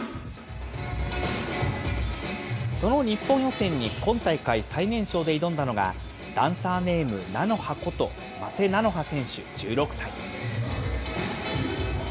その日本予選に今大会最年少で挑んだのがダンサーネーム、ＮＡＮＯＨＡこと、間瀬なのは選手１６歳。